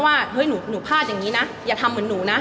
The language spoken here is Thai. ว่าเฮ้ยหนูพลาดอย่างนี้นะอย่าทำเหมือนหนูนะ